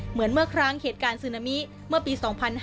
เหมือนเมื่อครั้งเหตุการณ์ซึนามิเมื่อปี๒๕๕๙